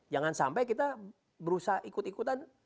jangan sampai kita berusaha ikut ikutan